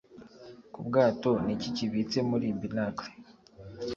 Ku bwato niki kibitse muri Binnacle?